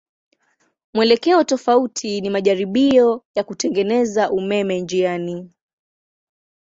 Mwelekeo tofauti ni majaribio ya kutengeneza umeme njiani.